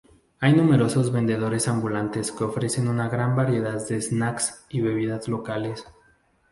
Hay numerosos vendedores ambulantes que ofrecen una gran variedad de "snacks" y bebidas locales.